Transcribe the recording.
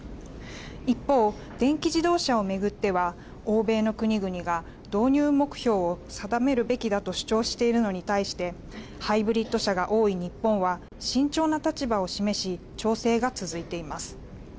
一方、電気自動車を巡っては欧米の国々が導入目標を定めるべきだと主張しているのに対してハイブリッド車が多い日本は慎重な立場を示し調整が続いています。